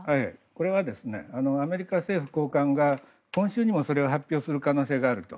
これはアメリカ政府高官が今週にもそれを発表する可能性があると。